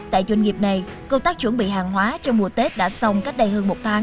tại doanh nghiệp này công tác chuẩn bị hàng hóa trong mùa tết đã xong cách đây hơn một tháng